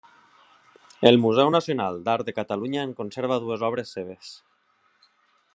El Museu Nacional d'Art de Catalunya en conserva dues obres seves.